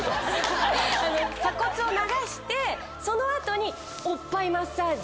鎖骨を流してその後におっぱいマッサージ。